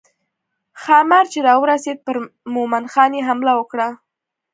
ښامار چې راورسېد پر مومن خان یې حمله وکړه.